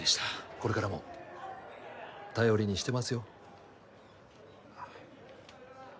これからも頼りにしてますよあっ